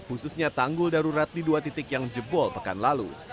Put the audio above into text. khususnya tanggul darurat di dua titik yang jebol pekan lalu